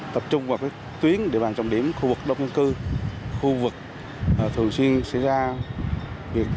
tập trung vào các tuyến địa bàn trọng điểm khu vực đông dân cư khu vực thường xuyên xảy ra việc